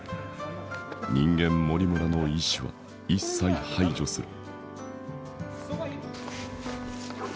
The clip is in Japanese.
人間森村の意思は一切排除する。